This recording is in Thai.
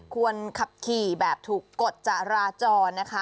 ควรขับขี่แบบถูกกฎจราจรนะคะ